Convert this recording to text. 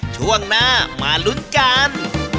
ช่วงหน้ามาลุ้นกัน